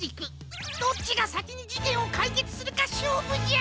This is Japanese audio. どっちがさきにじけんをかいけつするかしょうぶじゃ！